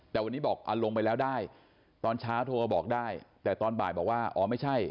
แต่วันนี้บอกลงไปแล้วได้ตอนเช้าโทรมาบอกได้แต่ตอนบ่ายบอกว่าอ๋อไม่ใช่